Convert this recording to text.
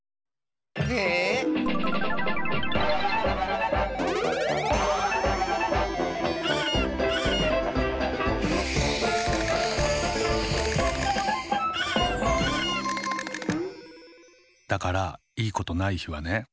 ええ⁉だからいいことないひはね。